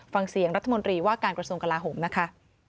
ฟังเสียงรัฐมนตรีว่าการกระทรวงกลาโหมนะคะ